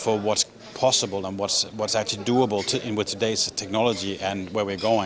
kita lebih berminat dengan apa yang bisa dan apa yang bisa dilakukan dengan teknologi sekarang dan kemana kita pergi